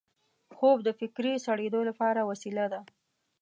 خوب د فکري سړېدو لپاره وسیله ده